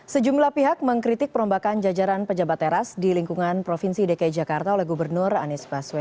sejumlah pihak mengkritik perombakan jajaran pejabat teras di lingkungan provinsi dki jakarta oleh gubernur anies baswedan